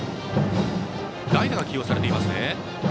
代打が起用されていますね。